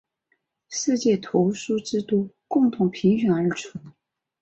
世界图书之都共同评选而出。